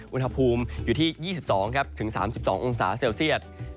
วุฒิภูมิต่ำสุดอยู่ที่๒๒๓๒องศาเซลเซียตครับ